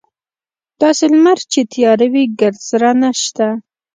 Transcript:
داسې لمر چې تیاره وي ګردسره نشته.